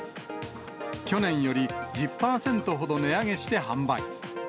去年より１０％ほど値上げして販売。